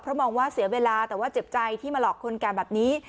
มองว่าเสียเวลาแต่ว่าเจ็บใจที่มาหลอกคนแก่แบบนี้